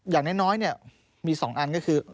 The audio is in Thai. อย่างน้อยมี๒อันก็คือ